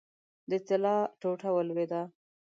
د طلا ټوټه ولوېده.